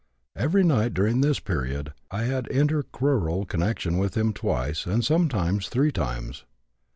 Every night during this period, I had intercrural connection with him twice and sometimes three times.